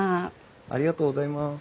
ありがとうございます。